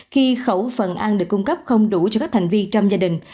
khi khẩu phần ăn được cung cấp không đủ cho các thành viên trong gia đình